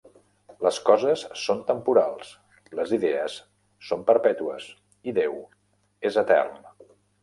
Les coses són temporals, les idees són perpètues i Déu és etern.